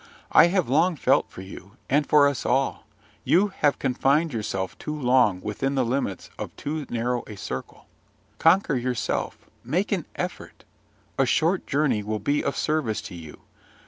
I have long felt for you, and for us all: you have confined yourself too long within the limits of too narrow a circle. Conquer yourself; make an effort: a short journey will be of service to you.